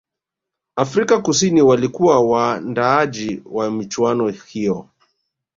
afrika kusini walikuwa waandaaji wa michuano hiyo